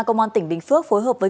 công an tỉnh bình phước phối hợp với